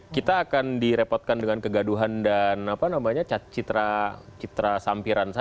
kita akan direpotkan dengan kegaduhan dan citra sampiran